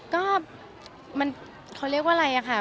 ก็มันเขาเรียกว่าอะไรอะค่ะ